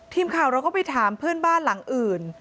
ทีมข่าวเราก็ไปถามเพื่อนบ้านหลังอื่น